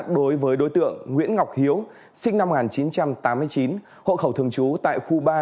đối với đối tượng nguyễn ngọc hiếu sinh năm một nghìn chín trăm tám mươi chín hộ khẩu thường trú tại khu ba